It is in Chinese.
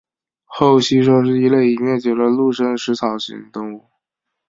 厚膝兽是一类已灭绝的陆生草食性动物。